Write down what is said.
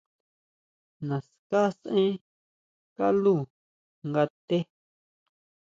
Naská sʼaen kaló nga té.